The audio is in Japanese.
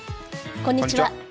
こんにちは。